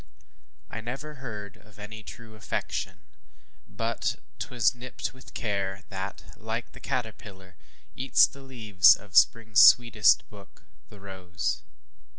I never heard Of any true affection, but ŌĆśt was nipt With care, that, like the caterpillar, eats The leaves of the springŌĆÖs sweetest book, the rose.